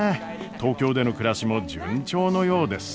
東京での暮らしも順調のようです。